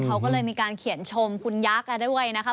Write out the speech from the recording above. เขาก็เลยมีการเขียนชมคุณยักษ์ด้วยนะคะ